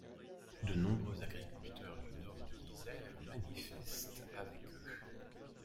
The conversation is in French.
De nombreux agriculteurs du nord de l'Isère manifestent avec eux.